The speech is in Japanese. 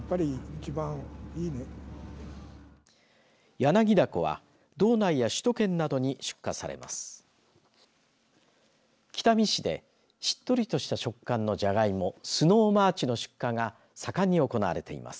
ヤナギダコは、道内や首都圏などに出荷されます。